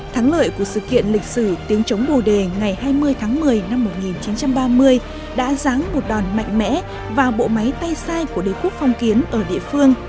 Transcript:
thắng lợi của sự kiện lịch sử tiếng chống bồ đề ngày hai mươi tháng một mươi năm một nghìn chín trăm ba mươi đã ráng một đòn mạnh mẽ vào bộ máy tay sai của đế quốc phong kiến ở địa phương